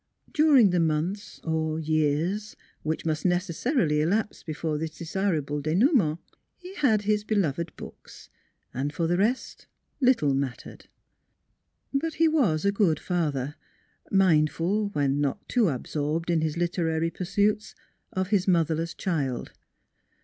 During the months or years which must necessarily elapse before this desirable denouement, he had his be loved books, and for the rest little mattered. But he was a good father, mindful when not too absorbed in his literary pursuits of his mother less child.